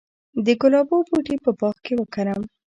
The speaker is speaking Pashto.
د ګلابو بوټي په باغ کې وکرم؟